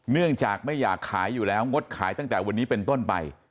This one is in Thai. เนื่องจากไม่อยากขายอยู่แล้วงดขายตั้งแต่วันนี้เป็นต้นไป